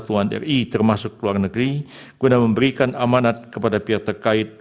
terima kasih terima kasih